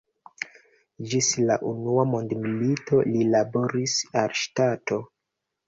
Ĝis la unua mondmilito li laboris al ŝtato.